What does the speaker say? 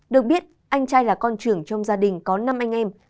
được biết anh trai là con trưởng trong gia đình có năm anh em